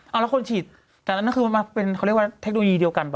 เอาแล้วคนฉีดแต่อันนั้นคือมันมาเป็นเขาเรียกว่าเทคโนโลยีเดียวกันป่